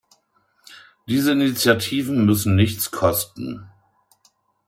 Diese Initiativen müssen nichts kosten.